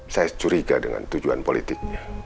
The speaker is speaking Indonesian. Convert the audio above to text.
saya curiga dengan tujuan politik